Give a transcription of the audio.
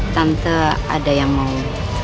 tante ada yang mau